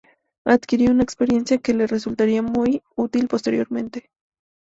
Adquirió una experiencia que le resultaría muy útil posteriormente.